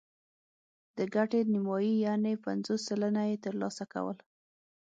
د ګټې نیمايي یعنې پنځوس سلنه یې ترلاسه کوله.